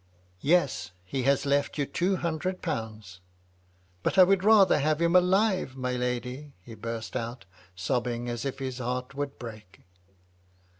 " Yes, he has left you two hundred pounds." " But I would rather have had him alive, my lady," he burst out, sobbing as if his heart would break.